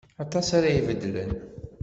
Aṭas ara ibeddlen.